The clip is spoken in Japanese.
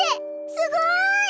すごい！